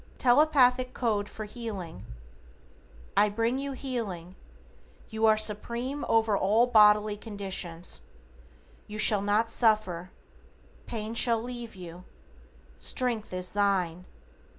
=TELEPATHIC CODE FOR HEALING:= I bring you healing. You are Supreme over all bodily conditions. You shall not suffer. Pain shall leave you. Strength is thine.